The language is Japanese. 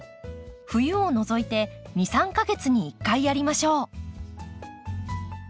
冬を除いて２３か月に１回やりましょう。